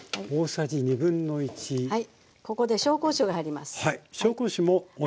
ここで紹興酒が入ります。